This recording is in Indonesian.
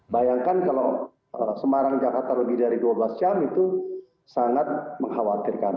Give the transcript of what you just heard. bayangkan kalau semarang jakarta lebih dari dua belas jam itu sangat mengkhawatirkan